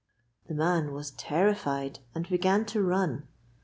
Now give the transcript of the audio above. The man was terrified and began to run.